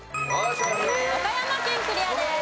岡山県クリアです。